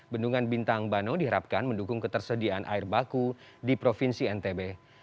bendungan bintang bano diharapkan mendukung ketersediaan air baku di provinsi ntb